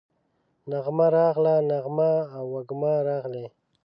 نغمه راغله، نغمه او وژمه راغلې